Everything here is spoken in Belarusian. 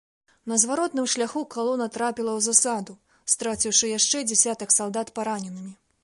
На зваротным шляху калона трапіла ў засаду, страціўшы яшчэ дзясятак салдат параненымі.